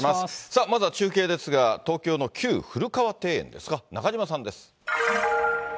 さあ、まずは中継ですが、東京の旧古河庭園ですか、中島さんです。